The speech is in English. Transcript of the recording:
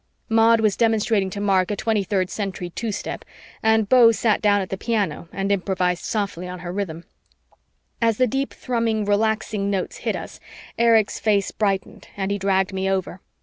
Maud was demonstrating to Mark a 23rd Century two step and Beau sat down at the piano and improvised softly on her rhythm. As the deep thrumming relaxing notes hit us, Erich's face brightened and he dragged me over.